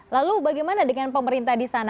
lalu bagaimana dengan pemerintah di sana